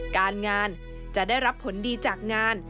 การงานจะได้รับผลดีจากงาน